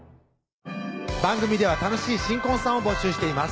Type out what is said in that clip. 番組では楽しい新婚さんを募集しています